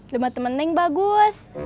rumah temen neng bagus